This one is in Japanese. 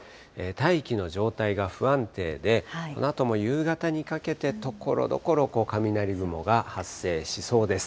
大気の状態が不安定で、このあとも夕方にかけて、ところどころ雷雲が発生しそうです。